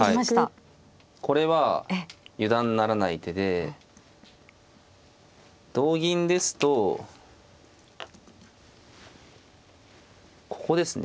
これは油断ならない手で同銀ですとここですね